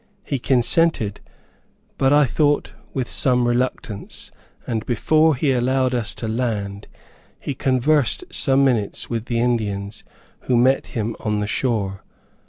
He consented, but, I thought, with some reluctance, and before he allowed us to land, he conversed some minutes with the Indians who met him on the shore.